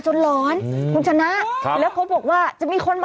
ช่วยเจียมช่วยเจียม